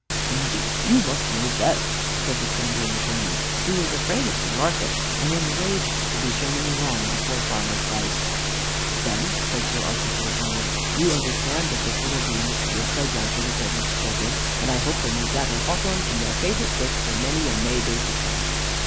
"Indeed you must know best," said the trembling Attorney, who was afraid of Sir Arthur and enraged to be shown in the wrong before Farmer Price. "Then," said Sir Arthur to the farmer, "you understand that this little green is to be a playground for the village children, and I hope they may gather hawthorn from their favorite bush for many a Mayday to come."